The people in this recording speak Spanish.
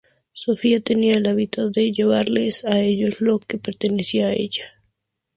Sofía tenía el hábito de llevarles a ellos lo que le pertenecía a ella.